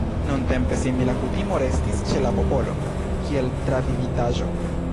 Nuntempe simila kutimo restis ĉe la popolo, kiel travivitaĵo.